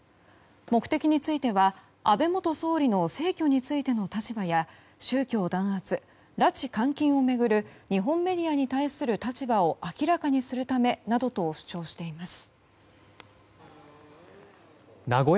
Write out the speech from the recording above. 目的については、安倍元総理の逝去についての立場や宗教弾圧・拉致監禁を巡る日本メディアに対する立場を明らかにするためなどと主張しています。